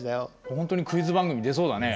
ほんとにクイズ番組に出そうだね。